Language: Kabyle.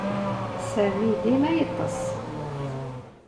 Sami dima yettess.